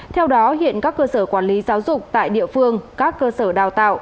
theo đó hiện các cơ sở quản lý giáo dục tại địa phương các cơ sở đào tạo